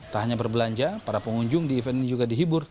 tak hanya berbelanja para pengunjung di event ini juga dihibur